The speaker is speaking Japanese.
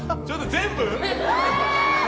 全部？